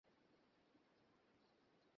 আর সে উপায় নেই!